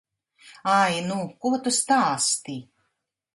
Ai, nu, ko tu stāsti.